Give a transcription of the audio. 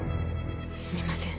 すみません